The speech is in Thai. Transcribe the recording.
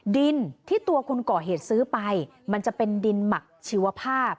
ดินที่ตัวคนก่อเหตุซื้อไปมันจะเป็นดินหมักชีวภาพ